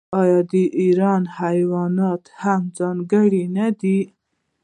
آیا د ایران حیوانات هم ځانګړي نه دي؟